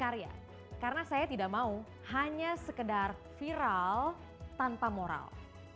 karya karena saya tidak mau hanya sekedar viral tanpa moral